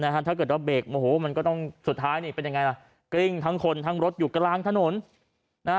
ถ้าเกิดว่าเบรกโมโหมันก็ต้องสุดท้ายนี่เป็นยังไงล่ะกริ้งทั้งคนทั้งรถอยู่กลางถนนนะฮะ